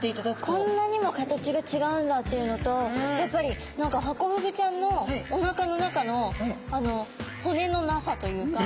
こんなにも形が違うんだっていうのとやっぱり何かハコフグちゃんのおなかの中の骨のなさというか。